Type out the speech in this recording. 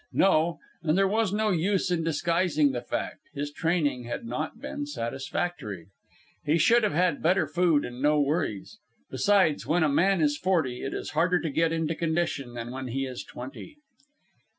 No and there was no use in disguising the fact his training had not been satisfactory. He should have had better food and no worries. Besides, when a man is forty, it is harder to get into condition than when he is twenty.